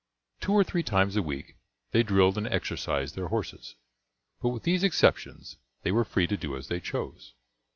Two or three times a week they drilled and exercised their horses, but with these exceptions they were free to do as they chose.